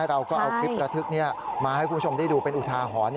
เราก็เอาคลิประทึกมาให้คุณผู้ชมได้ดูเป็นอุทาหรณ์